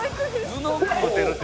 布食うてるって」